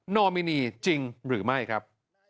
อมินีจริงหรือไม่ครับ